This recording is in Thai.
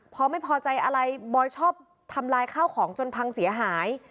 พอไม่พอใจอะไรบอยชอบทำลายข้าวของจนพังเสียหาย